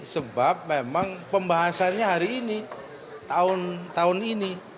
sebab memang pembahasannya hari ini tahun tahun ini